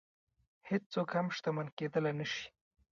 هېڅوک هم شتمن کېدلی نه شي.